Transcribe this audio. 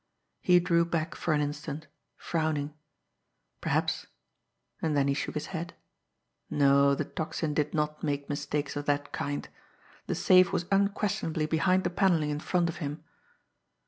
He drew back for an instant, frowning. Perhaps and then he shook his head no, the Tocsin did not make mistakes of that kind. The safe was unquestionably behind the panelling in front of him.